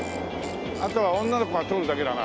あとは女の子が通るだけだな。